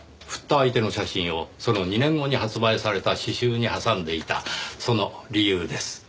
振った相手の写真をその２年後に発売された詩集に挟んでいたその理由です。